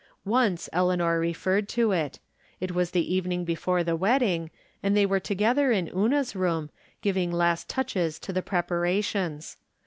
Once Eleanor referred to it. It was the even ing before the wedding, and they were together in Una's room, giving last touches to the prepa rations.